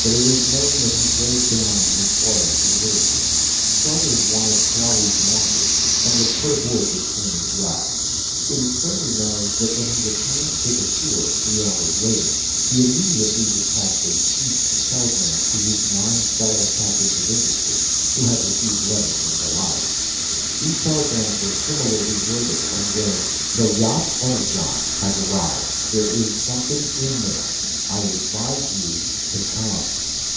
But it is known that he rode down in his auto to the water front, chartered one of Crowley's launches, and was put aboard the strange yacht. It is further known that when he returned to the shore, three hours later, he immediately despatched a sheaf of telegrams to his nine fellow captains of industry who had received letters from Goliah. These telegrams were similarly worded, and read: "The yacht Energon has arrived. There is something in this. I advise you to come."